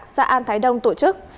xã an thái đông tổ chức